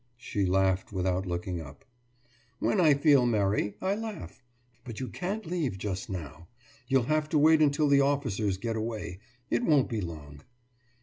« She laughed without looking up. »When I feel merry, I laugh. But you can't leave just now. You'll have to wait until the officers get away. It won't be long.